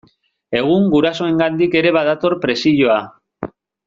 Egun gurasoengandik ere badator presioa.